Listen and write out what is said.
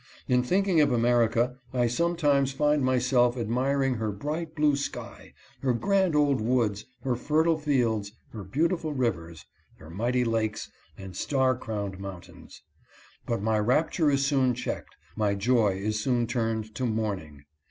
In thinking of America, I sometimes find myself admiring her bright blue sky, her grand old woods, her fertile fields, her beau tiful rivers, her mighty lakes, and star crowned mountains. But my 302 HIS FEELINGS IN ENGLAND. rapture is soon checked — my joy is soon turned to mourning.